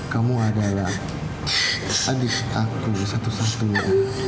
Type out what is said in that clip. kamu adalah adik aku satu satunya